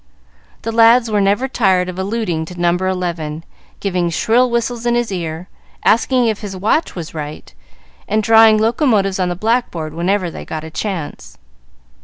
The lads were never tired of alluding to No. 11, giving shrill whistles in his ear, asking if his watch was right, and drawing locomotives on the blackboard whenever they got a chance.